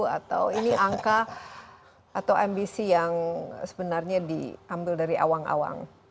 atau ini angka atau ambisi yang sebenarnya diambil dari awang awang